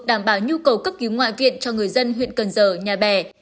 đảm bảo nhu cầu cấp cứu ngoại viện cho người dân huyện cần giờ nhà bè